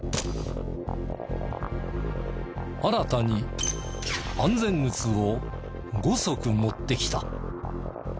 新たに安全靴を５足持ってきた。